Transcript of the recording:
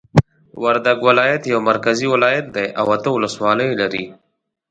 وردګ ولایت یو مرکزی ولایت دی او اته ولسوالۍ لری